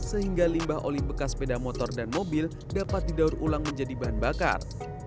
sehingga limbah oli bekas sepeda motor dan mobil dapat didaur ulang menjadi bahan bakar